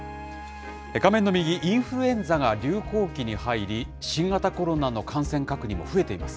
画面の右、インフルエンザが流行期に入り、新型コロナの感染確認も増えています。